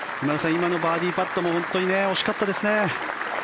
今のバーディーパットも本当に惜しかったですね。